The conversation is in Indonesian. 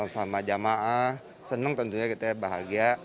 sama jamaah senang tentunya kita bahagia